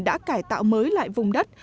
đã cải tạo mới lại vùng đất